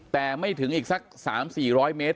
แต่ไม่ถึงอีกสัก๓๔๐๐เมตร